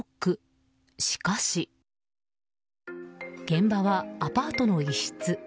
現場はアパートの一室。